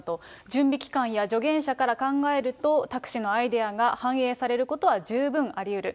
準備期間や助言者から考えると、タク氏のアイデアが反映されることは十分ありうる。